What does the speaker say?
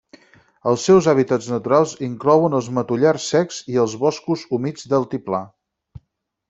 Els seus hàbitats naturals inclouen els matollars secs i els boscos humits d'altiplà.